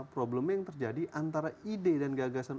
problemnya yang terjadi antara ide dan gagasan